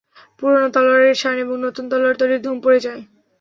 পুরনো তলোয়ারে শান এবং নতুন তলোয়ার তৈরীর ধুম পড়ে যায়।